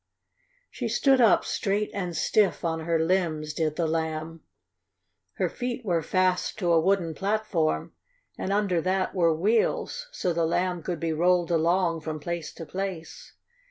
She stood up straight and stiff, on her legs, did the Lamb. Her feet were fast to a wooden platform, and under that were wheels, so the Lamb could be rolled along from place to place.